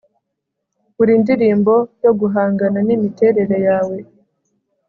buri ndirimbo yo guhangana nimiterere yawe